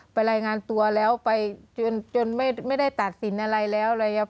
รายงานตัวแล้วไปจนไม่ได้ตัดสินอะไรแล้วอะไรอย่างนี้